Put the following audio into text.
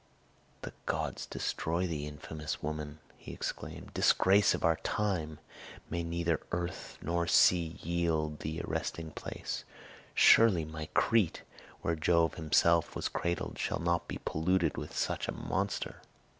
"The gods destroy thee, infamous woman," he exclaimed; "disgrace of our time! May neither earth nor sea yield thee a resting place! Surely, my Crete, where Jove himself was cradled, shall not be polluted with such a monster!"